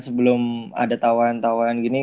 sebelum ada tawaran tawaran gini